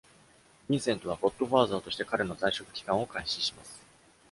ヴィンセントは、ゴッドファーザーとして彼の在職期間を開始します。